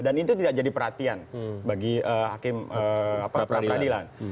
dan itu tidak jadi perhatian bagi hakim keperadilan